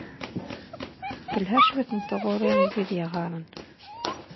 Telha cwiṭ n tɣuri i wid yeɣɣaren.